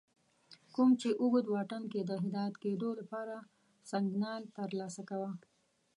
کوم چې اوږد واټن کې د هدایت کېدو لپاره سگنال ترلاسه کوه